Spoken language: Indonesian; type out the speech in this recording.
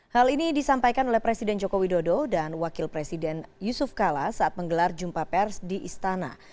hal ini disampaikan oleh presiden joko widodo dan wakil presiden yusuf kala saat menggelar jumpa pers di istana